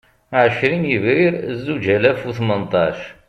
Ɛecrin Yebrir Zuǧ alas u Tmenṭac